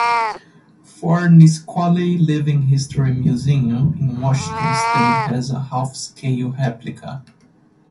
Fort Nisqually Living History Museum in Washington State has a half-scale replica.